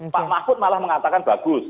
pak mahfud malah mengatakan bagus